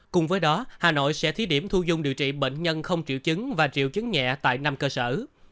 cùng với đó hà nội sẽ thí điểm thu dung điều trị bệnh nhân không triệu chứng và triệu chứng nhẹ tại năm cơ sở